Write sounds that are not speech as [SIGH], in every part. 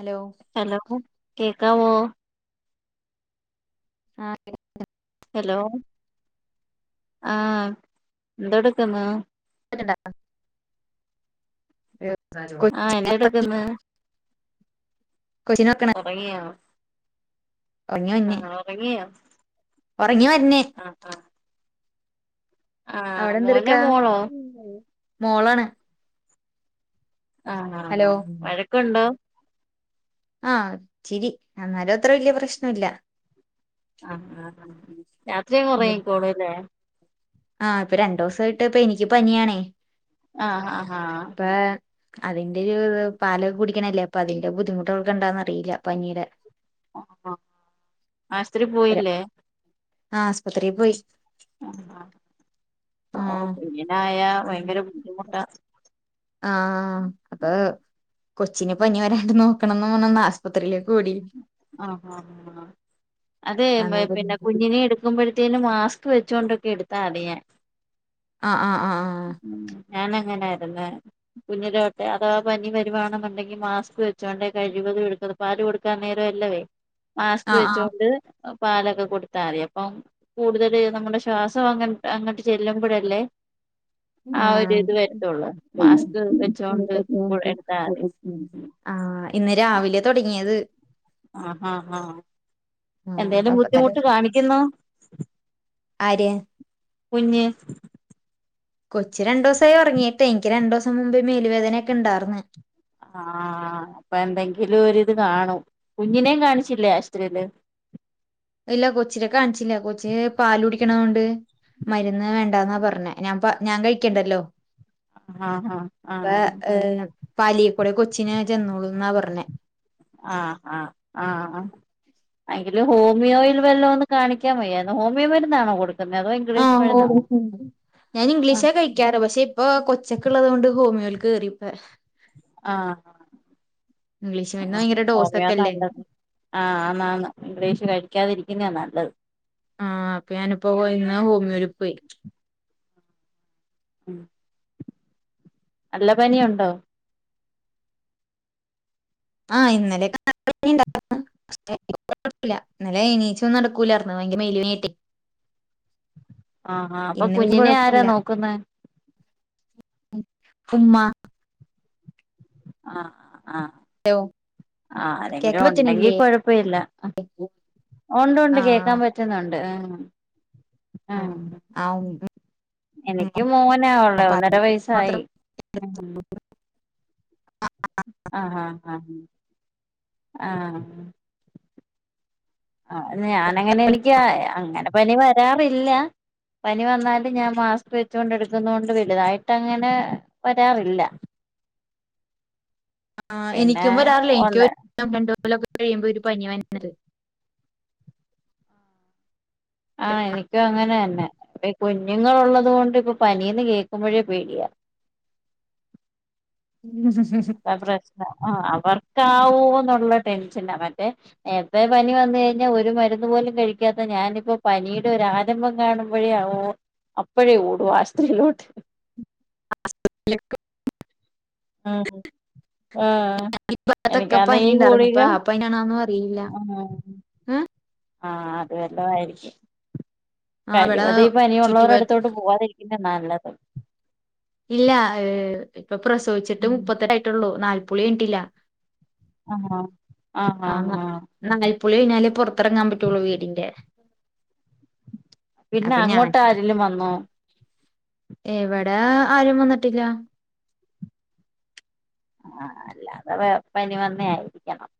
Hello hello കേക്കാവോ ആ കേൾക്ക ഹലോ ആ എന്തെട്ക്ക്ന്ന് [UNINTELLIGIBLE] ആഹ് എന്തെടുക്കുന്നു [INAUDIBLE] ഉറങ്ങിയോ ഉറങ്ങി വന്നേ ആഹ് ഉറങ്ങിയോ ഉറങ്ങി വർന്ന് ആഹ് ആഹ് ആഹ് മോനോ അവിടെന്തെടുക്കാ മോളോ മോളാണ് ആ ആ ഹലോ ആ വഴക്കുണ്ടോ ആ ച്ചിരി അന്നര അത്ര വല്ിയ പ്രശ്ന ഇല്ല ആഹ് ആഹ് ആഹ് രാത്രി അങ്ങ് ഉറങ്ങിക്കോളൂല്ലേ ആ ഇപ്പൊ രണ്ടു ദിവസമായിട്ട് ഇപ്പ എനിക്ക് പനിയണേ ആ ആഹ് ആഹ് അതിന്റെ ഒരു പാലൊ കുടിക്കണല്ലേ അപ്പൊ അതിന്റെ ബുദ്ധിമുട്ടൊക്കെണ്ടാന്ന് അറിയില്ല പനീുടെ ആസ്രി പോയില്ലേ ആ ആസ്പത്രിക്ക് പോയി ആ ആ ഓ കുഞ്ഞിനായാൽ ഭയങ്കര ബുദ്ധിമുട്ടാ ആഹ് അപ്പ കൊച്ചിൻ പനി വരാണ്ട് നോക്കണംന്ന് ആശുപത്രിൽ ആ ആ ങ അതെ ആ പിന്നെ കുഞ്ഞിനെ എടുക്കുമ്പോഴത്തേും മാസ്ക് വെച്ചുകൊണ്ടൊക്കെ എടുത്താ അതി ഞാൻ അ ആ ആ ആ [UNINTELLIGIBLE] കുഞ്ഞിലോട്ടെ അഥവാ പനി വരുണ ഉണ്ടെങ്കിൽ മാസ്ക് വെച്ചോ [UNINTELLIGIBLE] പാല് കൊടുക്കാൻ നേര അല്ലവേ മാസ്ക് ആ ആ ആ വെച്ചൊണ്ട് പാലൊക്കെ കൊടുത്താറ അപ്പം കൂടുതല് നമ്മുടെ ശ്വാസം അങ്ങ അങ്ങട്ട് ചെല്ലുമ്പോഴല്ലേ [INAUDIBLE] ആ ഒരു ആഹ് ഇത് വരുത്തുള്ളൂ മാസ്ക് വെച്ചൊണ്ട് ഇ എടുത്താറി ആഹ് ഇന്ന് രാവിലെ തുടങ്ങിയത് ആഹ് ആഹ് ആഹ് ആഹ് എന്തേലും അപ്പ തന്നെ ബുദ്ധിമുട്ട് കാണിക്കുന്നോ ആര് കുഞ്ഞി കൊച്ചി രണ്ടു ദിവസമായി ഉറങ്ങിട്ടെ എനിക്ക് രണ്ടു ദിവസം മുമ്പേ മേല്ുവേദനയൊക്കെ ഉണ്ടായിർന്ന് ആ അപ്പൊ എന്തെങ്കിലും ഒരിത് കാണും കുഞ്ഞിനേ കാണിച്ചില്ലേ ആശുത്രിയില് [INAUDIBLE] കിക്കണ കൊണ്ട് മരുന്ന് വേണ്ടന്നാ പറഞ്ഞേ ഞാൻ ഞാൻ കഴിക്കണ്ടല്ലോ ആഹ് ആ പാലിയക്കൂടെ കൊച്ചിനെ ചെന്നോളൂ എന്നാ പറഞ്ഞെ ആ ആ ആഹ് അങ്കില് ഹോമിയോയിൽ വല്ലന്ന് കാണിക്കാൻയ്യായിരുന്നു ഹോമിയോമരുന്നാണോ കൊടു ആ ഓ ഞാൻ ആഹ് ഇംഗ്ലീഷാ കഴിക്കാറ പക്ഷെ ഇപ്പൊ കൊച്ചക്ക ഉള്ളത കൊണ്ട് ഹോമിയോൽ ക കേറിപ്പ ആഹ് ഇംഗ്ലീഷ് മരുന്ന് ആ ഭയങ്കര ഓമി യോ ഡോസൊക്കെല്ലേ നല്ലത് ആ ആന്നാ ന്ന് ഇംഗ്ലീഷ് കഴ ക്കാതിരിക്കുന്നത നല്ലത് ആ അപ്പൊ ഞാനിപ്പോ പോയിന്ന ഹോമിയോരപ്പ പോയി ഉം നല്ല പനിയുണ്ടോ ആ ഇന്നലെയക്കെണ്ട [UNINTELLIGIBLE] നടല്ലെ എനീച്ചൊന്നും നടക്കൂലായിന്ന് ഭയങ്കര മെല മട്ടെ ആഹ് ആ അപ്പൊ വല്യ കുഞ്ഞിനെ ആരാ കുഴപ്പമില്ല നോക്കുന്ന ഉമ്മ ആ ആ [UNINTELLIGIBLE] ആ ആരെങ്കിലും കേക്കാൻ ഉണ്ടെങ്കി പറ്റണില്ലേ കൊഴപ്പ ഇല്ല ഉണ്ട് ഉണ്ട് കേൾക്കാൻ പറ്റുന്നുണ്ട് ഉം ആ ഉം ആ എനിക്ക് മോന ആാവുള്ളേ ഒന്നര വയസായി മാത്രം ആഹ ആ ഞാന അങ്ങനെ എനിക്ക് അങ്ങനെ പനി വരാറില്ല പനി വന്നാല ഞാൻ മാസ്ക് വെച്ചൊണ്ട് എടുക്കുന്ന കൊണ്ട് വലുതായിട്ട് അങ്ങനെ വരാറില്ല [UNINTELLIGIBLE] ആ പിന്നെ എനിക്കും വരാറില്ലേ എനിക്ക് ഒന്ന് രണ്ടതൊക്കെ കഴിയുമ്പോ പനി വരുന്നത് ആ എനക്ക് അങ്ങനെ തന്നെ അപ്പ കുഞ്ഞുങ്ങളൾള്ളത് കൊണ്ട് ഇപ്പൊ പനീന്ന് കേൾക്കുമ്പോഴേ പേടിയാ [UNINTELLIGIBLE] അ പ്രശനം ആ അവർക്കാവോ എന്നുള്ള ടെൻഷനാ മറ്റേ എത്ര പനി വന്ന കഴിഞ്ഞാൽ ഒരു മരുന്ന് പോ ല കഴിക്കാത്ത ഞാനിപ്പോ പനിയുടെ ഒരു ആരംഭം കാണുമ്പോഴേ അപ്പോഴേ ഓടുവാസ്ത്രീയിലോട്ട് അ [UNINTELLIGIBLE] ആഹ ആ ഭാഗത്തൊക്കെ എനിക്കാന്ന പനി ഈ ഉണ്ടായിരുന്നു കൂടിക ഇപ്പൊ ആ ഹആ ആഹ അത് വല്ല ആയിരിക്കും ആഹ് ഇവിടെ കഴിവത ഈ പനിയ ഉള്ളവരെ ചുറ്റുപാ അടുത്തോട്ട് പോവാാതരിക്കും നല്ലത് ഇല്ല ഏ് ഇപ്പൊ പ്രസവിച്ചിട്ട് മുപ്പത്തെട്ട ആായിട്ടുള്ളൂ നാല്പ്പളിിട്ടില്ല ആഹ ആഹ ആഹ ആഹ് കു ളി കഴിഞ്ഞാലേ പുൊറത്തിറങ്ങാൻ പറ്റുള്ളൂ വീടിന്റെ പിന്നെ അപ്പൊ അങ്ങോട്ട് ആരിലും വന്നോ എവിടെ ആരും വന്നിട്ടില്ല ആ അല്ല അത പനി വന്ന ആായിരിക്കണം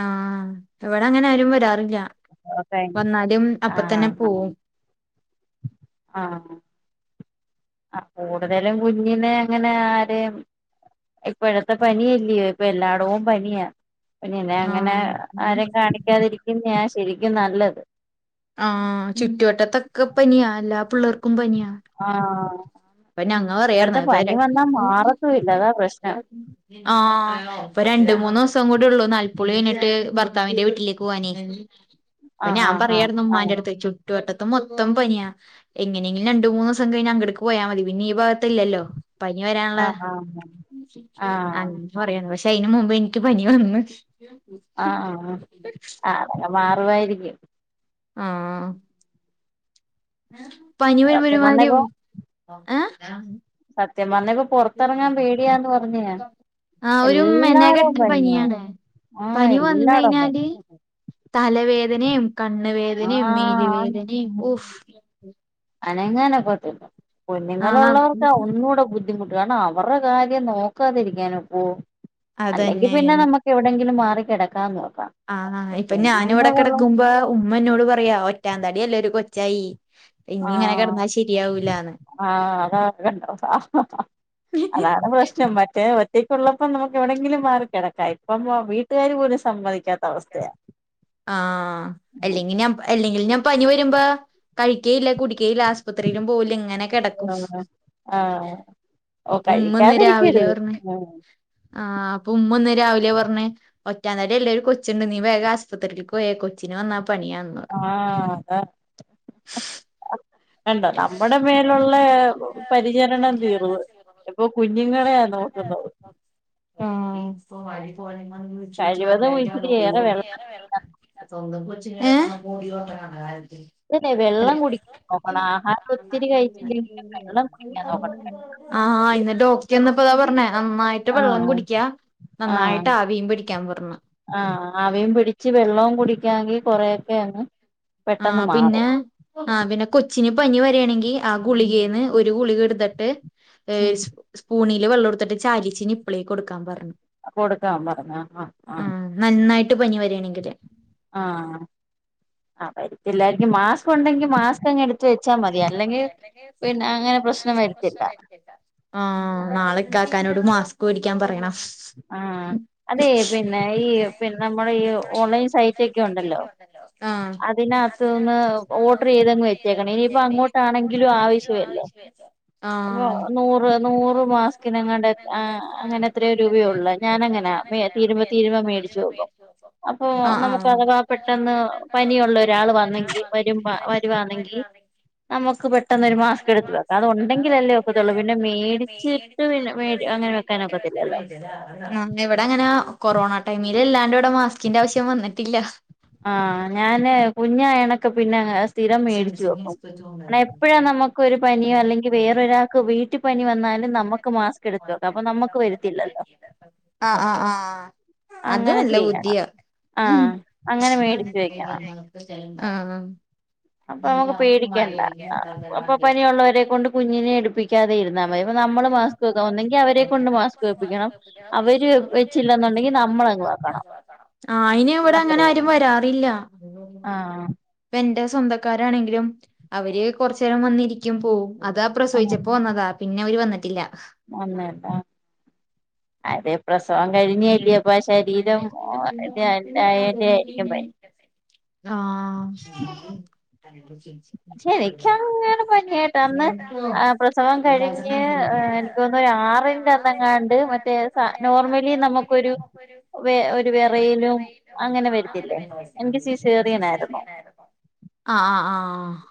ആഹ എവിടെ അങ്ങനെ ആരുമ് വരാറില്ല വന്നാലും അപ്പൊ തന്നെ പോവും ആഹ ആ കൂടുതലും കുഞ്ഞിനെ അങ്ങനെ ആരെയും ഇപ്പ ഇടത്തെ പനില്ലയോ ഇപ്പ എല്ലായിടവും പനിയാ പിന്നന്നെ അങ്ങനെ ആഹ് ആരും കാണിക്കാതിരിക്കുന്ന ശരിക്കും നല്ലത് ആഹ് പിള്ളർക്കും പനിയാണ് ആഹ പിന്നെങ്ങ പറയാന്ന മാറത്തും ഇല്ല അതാ പ്രശ്നം ആഹ രണ്ട മൂന്ന് ദിവസം കൂടെള്ളൂ നാൽപ്പുളിഴഞ്ഞിട്ട് ഭർത്താവിന്റെ വീട്ടിലേക്ക് പോകവാനേ പിന്നെ ആഹ് ഞൻ ആഹ് പറയമായിായിരുന്നുമാൻന്റെ ആഹ് അടുത്ത് ചുറ്റുുവട്ട മത്തം മൊത്തം പനിയ എങ്ങനെങ്കിലും രണ്ടു മൂന്ന ദിവസം കഴിഞ്ഞ അടക്ക് പോയാ മതി പിന്നെ ഈ ഭാഗത്തല്ലല്ലോ പനി വരാനുള്ള ആഹ് ആഹ് ആഹ് അങ്ങ പറയാന്ന് പക്ഷ ചൈന് മുമ്പ് എനിക്ക് പനി വന്നു ആഹ ആഹ ആതൊക്കെ മാറുവായിരിക്കും ആഹ പനി സത്യം വരുമ്പരുമാരി പറഞ്ഞപ്പോ ആഏ സത്യം വന്നിപ്പോൊ പുറത്തിറങ്ങാൻ പേടിയാന്ന് പറഞ്ഞ ഞാൻ ആ ഒരു മെന എല്ലാടവും കെട്ടുന്ന പനിയാ പനിയാണ് ആ പനി എല്ലാടവും പനി വന്നഴഞ്ഞാല് തലവേദനയും കണ്ണ ആ വേദനയും മേല വേദനയും ഊഫ് അനങ്ങനെക്കെും ആഹ് കുഞ്ഞുങ്ങളുള്ളവർക്ക് ഒന്നുകൂടെദ്ധി ബുദ്ധിമുട്ട് കാരണം അവരുടെ കാര്യം നോക്കാതിരിക്കാന ഇപ്പോ അല്ലെങ്കിൽ അതന്നെ പിന്നെ നമുക്ക് എവിടെെങ്കിലും മാറ കിടക്കാന്ന്ോക്കാം ആഹ്് ഇപ്പൊ ഞാന ഇവിടെ കിടക്കുമ്പോ ഉമ്മനോട് പറയാ ഒറ്റാന്താടി അല്ല ഒരു കൊച്ചായി ഇനി ഇങ്ങനെ കിടന്നാ ശരിയാവൂ ആഹ അതാണ്ട അതാണ് പ്രശ്നം മറ്റേ എക്കുള്ളപ്പോ നമുക്ക് എവിടെെങ്കിലും മാറി കിടക്കാ ഇപ്പം വീട്ടുകാാര് പോലും സമ്മതിിക്കാത്ത അവസ്ഥയാണ് ആഹ അല്ലെങ്കിൽ ഞാൻ അല്ലെങ്കിൽ ഞാൻ പനി വരുമ്പോ കഴിക്കേല്ല കുട ആശ്പത്രിയിലും പോല ഇങ്ങനെ കിടക്കും ആഹ് ആഹ് ഓ ഇപ്പ ഉമ്മ ഒന്ന് രാവിലെ കഴിക്കാതിരിക്കരുത് പറഞ്ഞ ഉം ആ അപ്പ ഉമ്മ ഒന്ന രാവിലെഞ്ഞഞ് ഒറ്റാന്തടി എല്ലാവും കൊച്ചുണ്ട് നീ വേഗ ആശു്പത്രിയിൽ പോയ കൊച്ചിന് വന്ന ആഹ അത വണ്ടോ നമ്മുടെ മേലുള്ള പരിചരണം തീർവ് ഇപ്പൊ കുഞ്ഞുങ്ങളെയ നോക്കുന്നത് ഉ പോാലി പോല മ ചൂ കഴിവതും ഇച്ചിരി കന്തക്ക ഏറെ വെള്ളം ഏ ഇല്ലെ വെള്ളം കുടിക്ക പോക്കണം ആഹ നോക്കണം ആഹ ഇന്നിട്ട് ോക്കെന്ന ഇപ്പതാ പറഞ്ഞേ നന്നായിട്ട് വെള്ളം ആഹ് കുടിക്കാ നന്നായിട്ട് ആവിയും പിടിക്കാൻ പറഞ്ഞു ആഹ അവയും പിടിച്ച് വെള്ളം കുടിക്കാെങ്കിൽ കൊറെൊക്കെ ആ പിന്നെ ആ പിന്നെ കൊച്ചിന ഉം വണെങ്ക് വെള്ളോർട്ട ചാലിച്ച് നിപ്പിളേക്ക് കൊടുക്കൻ പറഞ്ഞു കൊടുക്കാ പറ ആഹ് ആഹ എട്ട് പനി വരിയാണെങ്കിൽ ആഹ ആ പരുത്തില്ല മാസ്ക് ഉണ്ടെങ്കി മാസ്ക് അങ്ങ് എടുത്ത വെച്ചാ മതി അല്ലെങ്കിൽ പിന്നെ അങ്ങനെ പ്രശ്നം വരുത്തില്ല ആ നാളെക്കെ ആക്കാനോട് മാസ്ക് ടിക്കാൻ പറയണം ആഹ അതെ പിന്നെ ഈ പിന്നെ നമ്മുടെ ഈ ഓൺലൈൻ സൈറ്റ് ഒക്കെ ഉണ്ടല്ലോ ആഹ് അതിനകത്ത്ന്ന് ചെയ വ ആഹ് അ ന നൂറ് മാ നി അങ്ങനെ രൂപ ഞാനങ്ങന തീരുമ്പോ തീരു മേടും അപ്പോ ആഹ് നമുക്ക് അഥവാ ആഹ് പെട്ടെന്ന് പനിയുള്ള ഒരാൾ ഒരാള് വന്നെങ്കിൽ വരുമ്പ വരുവാണെങ്കിൽ വരുവാന്നെങ്കി നമുക്ക് പെട്ടെന്ന്രു മാസ്ക് എടുത്ത് വക്കാം അത് ഉണ്ടെങ്കില അല്ലേ ഒക്കെത്തുള്ളൂ അതുണ്ടെങ്കിലല്ലേ പിന്നെ മേടി മേടിച്ചിട്ട് പിന്നെടി വാനക്കത്തില്ലല്ലോ ആ എവിടെ അങ്ങനെ കൊറോണ ടൈമിൽ ഇല്ലാണ്ട് ഇവിടെ മാസ്കിന്റെ ആവശ്യം വന്നിട്ടില്ല ആ നാന് കുഞ്ഞായണെക്ക് പിന്നെ സ്ഥിരംമേടിച്ചുവെക്കും നെപ്പഴാ നമ്മക്കൊരു പനി അല്ലെങ്കിൽ വേറൊരാക്ക് വീട്ടി നമുക്ക് വരത്തില്ലല്ലോ അ അ ആ അത് അങ്ങനെ ചെയ്യണം നല്ലബുദ്ധിയ ആഹ് അങ്ങനെ മേടിച്ച് ആ അപ്പൊമ്മക്ക് പേടിക്കെണ്ട അ അപ്പൊ പനിയുള്ളോരെകൊണ്ട് കുഞ്ഞിനെ എടുപിക് ക്കാതെ ഇുന്നാമതി പൊനമ്മളും മാസ്ക്വെക്ക ഒന്നെങ്കിഅവരെ കൊണ്ട് മാസ്ക് വെപ്പിക്കണം അവര് വെച്ചില്ലന്നൊ ആ ഐന് അത്രേ ഉള്ളൂ. ഓരങ്ങനാരും വരാറില്ല ആഹ് പെൻ്റെവസ് സ്വന്തക്കാരാണെങ്കിലും അവര് കൊറ്ചേരം വന്നിരിക്കും പോവും അതാപ്രസവിച്ചപ്പോവന്നതാ പിന്നെവര് വന്നിട്ടില്ല വന്നതാ അതെ പ്രസവം കഴിഞ്ഞില്ലേ പ്പൊശരീരം [UNINTELLIGIBLE] യന്റെ യിരിക്കും പനി ആ ശരിക്കങ്ങനെ പനിയായിട്ടന്ന് ആ പ്രസവംകഴിഞ്ഞ് ഏ എനിക്കോന്ന് ആറിന്റെ അന്നങ്ങാണ്ട് മറ്റേ സ നോർമലി നോർമലി നമുക്കൊരു വെ വേ ഒരു വിറയലും വെറയലും അങ്ങനെ വരത്തില്ലേ എനിക്ക് [UNINTELLIGIBLE] എൻ്റെ സിസേറിയൻ ആയിരുന്നു സിസേറിയനായിരുന്നു. ആഹ് ആഹ് ആഹ്.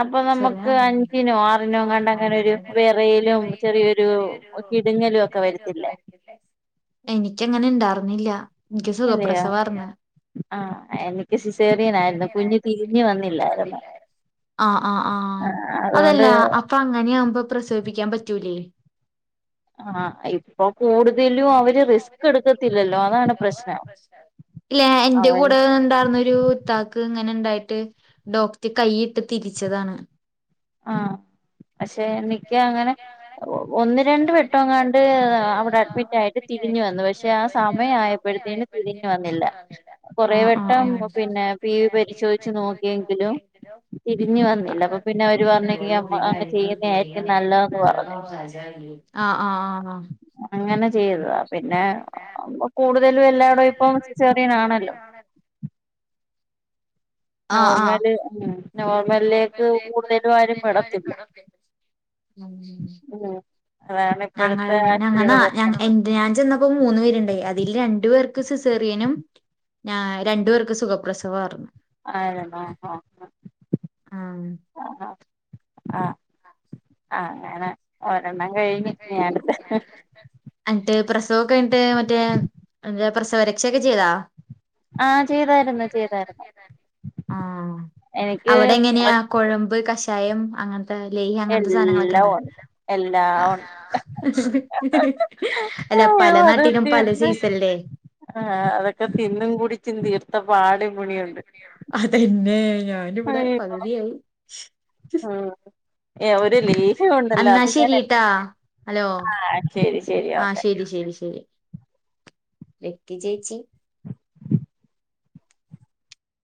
അപ്പൊ ചെറിയ നമ്മക്ക് അഞ്ചിനോ, ആറിനോങ്ങാണ്ടങ്ങനൊരു വെറയലും ചെറിയൊരു ഇടുങ്ങലൊക്കെ വരത്തില്ലേ? എനിക്കങ്ങനെ ഇണ്ടാർന്നില്ല. ഇൻക്ക് ഇല്ലയോ സുഖപ്രസവാർന്ന്. ഇത്രീംന്നേര്ന്നു കുഞ്ഞ് തിരിഞ്ഞു വന്നില്ലായിര്ന്നു. ആഹ് ആഹ് ആഹ് അതല്ല അപ്പ അങ്ങനെയാവുമ്പോ പ്രസവിപ്പിക്കാൻ പറ്റൂലേ. ആഹ് ഇപ്പൊ കൂട്തലും അവര് റിസ്കെടുക്കത്തില്ലല്ലോ അതാണ് പ്രശ്നം. ഇല്ല എന്റെ അവര് കൂടെണ്ടാർന്നൊരു ത്താക്ക് ങ്ങനെണ്ടായിട്ട് ഡോക്ട് കൈയിട്ട് തിരിച്ചതാണ്. ആഹ് അക്ഷെ നിക്കങ്ങനെ ഒ ഒന്ന് രണ്ട് വെട്ടൊങ്ങാണ്ട് അവിടെ ഡ്മിറ്റായിട്ട് തിരിഞ്ഞുവന്നു. പക്ഷെ ആ സമയായപ്പോഴ്ത്തേന് തിരിഞ് വന്നില്ല ആഹ് ആഹ് കൊറേവെട്ടം ആഹ് പിന്നെ പി വി പരിശോയിച്ച് നോക്കിയെങ്കിലും തിരിഞ്ഞു വന്നില്ല പ്പൊപെ നല്ലതെന്ന് പറഞ്ഞു [INAUDIBLE] ആഹ് ആഹ് അങ്ങനെ ചെയ്തതാ പിന്നെ കൂടുതലുല്ലാതായപ്പോ ചെറേനാണല്ലോ നോർമല് ഉം നോർമലിലേക്ക് നോർമൽലേക്ക് കൂടുതലും ആരും വിടത്തില്ല കൂടുതലും [UNINTELLIGIBLE] ഉം ഉം അതാണ് ഞങ്ങളെ ഇപ്പോഴത്തെ ആശുപത്രിയുടെ ഞങ്ങനാ ഞങ പ്രശ്നം എന്റെ ഞാൻ ചെന്നപ്പോ മൂന്നു പേരുണ്ട്. അതിൽ രണ്ടു പേർ ക് സിസേറിയനും ഞാ രണ്ടു പേർക്ക് സുഖപ്രസവാർന്നു. ആഹ് [UNINTELLIGIBLE] ആഹ് അഹ് അങ്ങനെ ഒരെണ്ണം കഴിഞ്ഞ് ഇനി അടുത്ത എന്ട്ട് പ്രസവംക്കഴിഞ്ഞിട്ട് മറ്റേ എന്താ പ്രസവരക്ഷക്കെ ചെയ്താ? ആഹ് ചെയ്തായിര്ന്നു ചെയ്തായിര്ന്നു ആഹ് അവിടെങ്ങനെയാ കൊഴമ്പ് കഷായം അങ്ങൻ താ ലേഹൃം അങ്ങൻത്തെ സാനങ്ങളൊക്കെണ്ടാ? ല്ലാഒണ്ട് അല്ല പലനാട്ടിലും പലസൈസല്ലേ. ആഹ് അതൊക്കെ തിന്നും കൂടിച്ചും തീർത്തപാട്മ്മിണിയുണ്ട്. ഏ ഞാനിവിടെ പകുതിയായി ആ ആ ഒരു ലേഹ്യം ഉണ്ടല്ലോ എന്നാ അത് ഞാൻ ശരിട്ടാ ഹലോ ആ ശരി ശരി ആ ഓക്കെ ശരി ശരി ശരി വെയ്ക്ക് ചേച്ചി